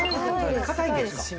硬いです。